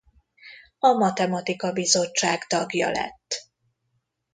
A Matematikai Bizottság tagja lett.